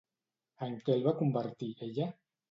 En què el va convertir ella?